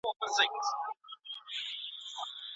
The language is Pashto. خاوند او ميرمني دي پر خپل حال پريږدي.